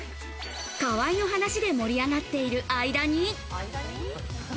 河合の話で盛り上がっている間に。